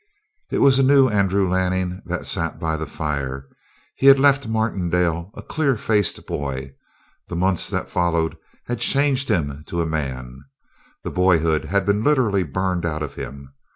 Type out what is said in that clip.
It was a new Andrew Lanning that sat there by the fire. He had left Martindale a clear faced boy; the months that followed had changed him to a man; the boyhood had been literally burned out of him.